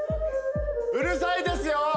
うるさいですよ！